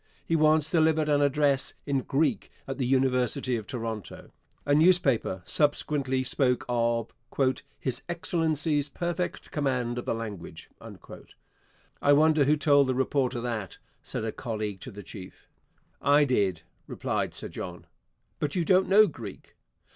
He once delivered an address in Greek at the University of Toronto. A newspaper subsequently spoke of 'His Excellency's perfect command of the language.' 'I wonder who told the reporter that,' said a colleague to the chief. 'I did,' replied Sir John. 'But you do not know Greek.'